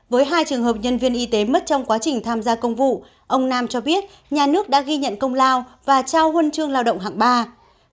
với hai trường hợp nhân viên y tế mất trong quá trình tham gia công vụ ông nam cho biết nhà nước đã ghi nhận công lao và trao huân chương lao động hạng ba